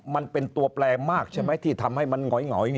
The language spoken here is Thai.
มันเป็นตัวแปลมากใช่ไหมที่ทำให้มันหงอย